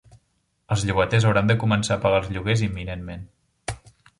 Els llogaters hauran de començar a pagar els lloguers imminentment